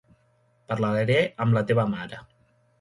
Parlaré amb la teua mare.